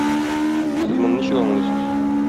Сез моны ничек аңлыйсыз?